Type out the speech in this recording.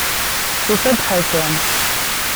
Tufa-d Ḥasan.